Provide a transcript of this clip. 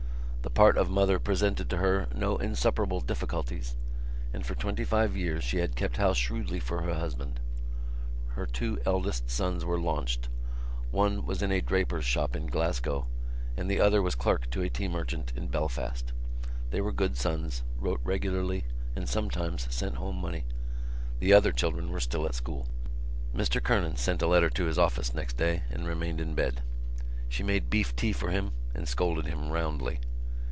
The part of mother presented to her no insuperable difficulties and for twenty five years she had kept house shrewdly for her husband. Her two eldest sons were launched. One was in a draper's shop in Glasgow and the other was clerk to a tea merchant in Belfast. They were good sons, wrote regularly and sometimes sent home money. The other children were still at school. Mr Kernan sent a letter to his office next day and remained in bed. She made beef tea for him and scolded him roundly.